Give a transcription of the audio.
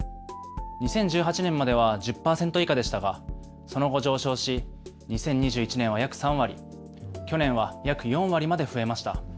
２０１８年までは１０％以下でしたがその後上昇し２０２１年は約３割、去年は約４割まで増えました。